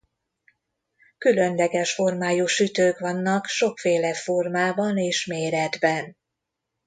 Különleges formájú sütők vannak sokféle formában és méretben.